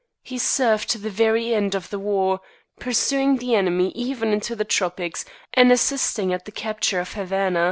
He served to the very end of the war, pursuing the enemy even into the tropics, and assisting at the capture of Havana.